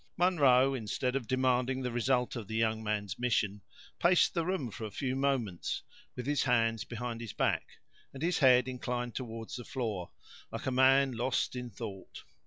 Munro, instead of demanding the result of the young man's mission, paced the room for a few moments, with his hands behind his back, and his head inclined toward the floor, like a man lost in thought.